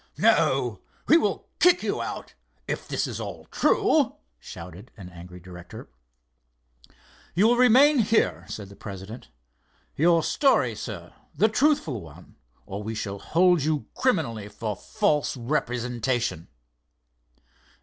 "No, we will kick you out, if this is all true!" shouted an angry director. "You will remain here," said the president, firmly. "Your story, sir, the truthful one; or we shall hold you criminally for false representation."